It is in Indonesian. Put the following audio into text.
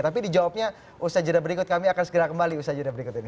tapi di jawabnya usaha jurnal berikut kami akan segera kembali usaha jurnal berikut ini